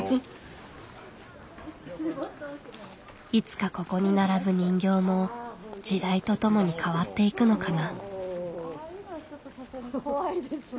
いつかここに並ぶ人形も時代とともに変わっていくのかな。